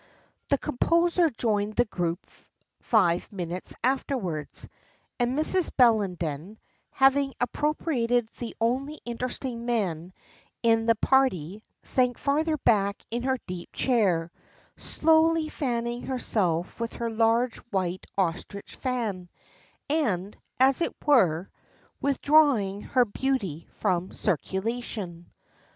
The composer joined the group five minutes afterwards, and Mrs. Bellenden, having appropriated the only interesting men in the party, sank farther back in her deep chair, slowly fanning herself with her large white ostrich fan, and, as it were, withdrawing her beauty from circulation.